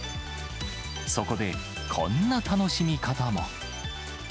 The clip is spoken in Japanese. そこでこんな楽しみ方も。